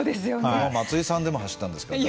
松井さんでも走ったんですからね。